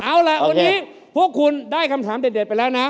เอาล่ะวันนี้พวกคุณได้คำถามเด็ดไปแล้วนะ